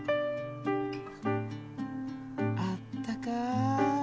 あったかい。